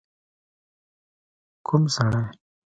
ک و م سړی؟